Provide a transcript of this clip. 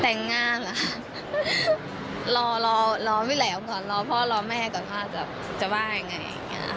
แต่งงานหรอรอไม่แล้วก่อนรอพ่อรอแม่ก่อนพ่อจะว่ายังไง